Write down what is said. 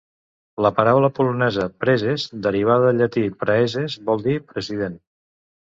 La paraula polonesa "prezes", derivada del llatí "praeses", vol dir "president".